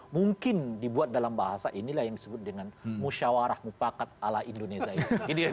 mungkin dibuat dalam bahasa inilah yang disebut dengan musyawarah mufakat ala indonesia ini